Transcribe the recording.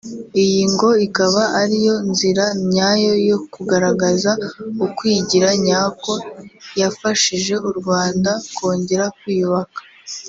Iyi ngo ikaba ariyo nzira nyayo yo kugaragaza ukwigira nyako yafashije u Rwanda kongera kwiyubaka